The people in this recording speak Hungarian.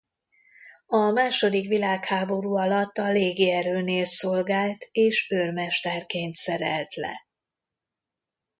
A második világháború alatt a Légierőnél szolgált és őrmesterként szerelt le.